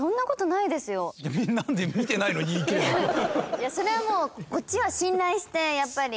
いやそれはもうこっちは信頼してやっぱり。